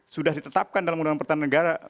sudah ditetapkan dalam undang undang pertahanan negara